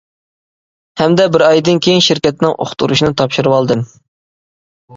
ھەمدە بىر ئايدىن كېيىن شىركەتنىڭ ئۇقتۇرۇشىنى تاپشۇرۇۋالدىم.